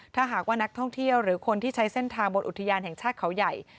ถ้าหากว่านักท่องเที่ยวหรือคนที่ใช้เส้นทางบนอุทยานแห่งชาติเขาใหญ่